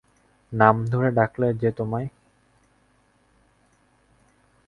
নাম ধরে ডাকলে যে তোমায়?